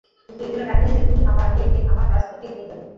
তোকে এজন্য ডাকিনি যে তুই আমার মেয়েকে আমার কাছ থেকেই নিয়ে যাবি।